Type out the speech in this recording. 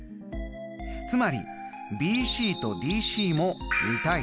つまりＢＣとＤＣも２：３。